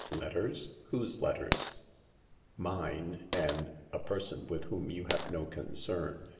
" Letters ? Whose letters ?"" Mine and — a person's with whom you have no concern.